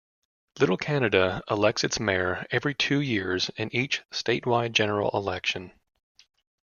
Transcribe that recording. Little Canada elects its mayor every two years in each statewide general election.